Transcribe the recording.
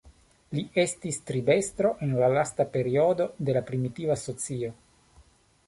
Li estis tribestro en la lasta periodo de la primitiva socio.